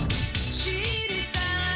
知りたい」